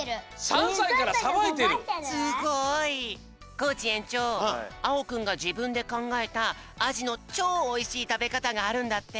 コージ園長あおくんがじぶんでかんがえたアジのチョおいしいたべかたがあるんだって。